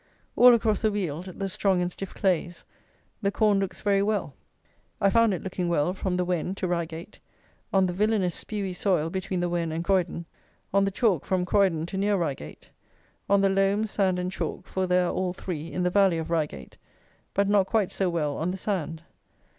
All across the Weald (the strong and stiff clays) the corn looks very well. I found it looking well from the Wen to Reigate, on the villanous spewy soil between the Wen and Croydon; on the chalk from Croydon to near Reigate; on the loam, sand and chalk (for there are all three) in the valley of Reigate; but not quite so well on the sand.